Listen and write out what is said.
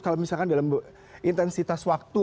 kalau misalkan dalam intensitas waktu